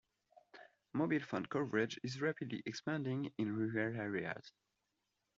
Mobile phone coverage is rapidly expanding in rural areas.